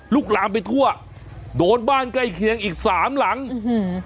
ลามไปทั่วโดนบ้านใกล้เคียงอีกสามหลังอื้อหือ